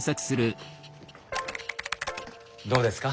どうですか？